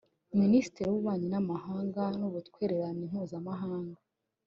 Minisitiri w’Ububanyi n’Amahanga n’Ubutwererane Mpuzamahanga